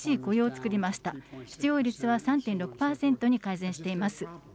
失業率は３．６％に改善しています。